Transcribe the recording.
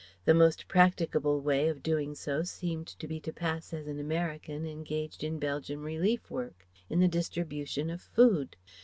The most practicable way of doing so seemed to be to pass as an American engaged in Belgian relief work, in the distribution of food.